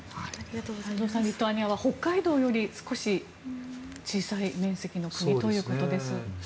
太蔵さん、リトアニアは北海道より少し小さい面積の国ということです。